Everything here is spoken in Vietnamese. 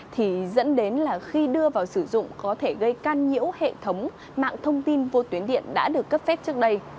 thì dẫn đến là khi đưa vào sử dụng có thể gây can nhiễu hệ thống mạng thông tin vô tuyến điện đã được cấp phép trước đây